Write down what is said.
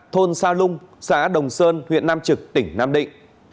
thôn sa lung xã đồng sơn huyện nam trực tỉnh nam định